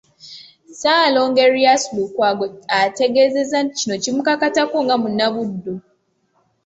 Ssaalongo Erias Lukwago ategeezezza nti kino kimukakatako nga munnabuddu